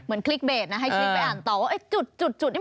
เหมือนคลิกเบสให้คลิกไปอ่านต่อจุดนี่มันคืออะไร